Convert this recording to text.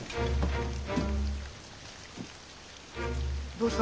どうした？